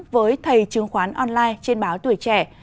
với thầy chứng khoán online trên báo tuổi trẻ